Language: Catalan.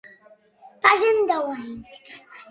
Passen deu anys.